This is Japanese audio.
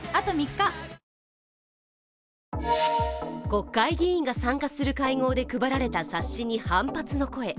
国会議員が参加する会合で配られた冊子に反発の声。